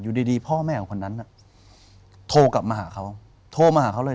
อยู่ดีดีพ่อแม่ของคนนั้นน่ะโทรกลับมาหาเขาโทรมาหาเขาเลย